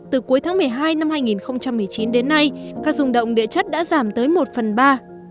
từ cuối tháng một mươi hai năm hai nghìn một mươi chín đến nay các dùng động địa chất đã giảm tới một phần ba